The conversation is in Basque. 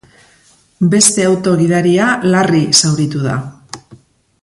Beste auto-gidaria larri zauritu da.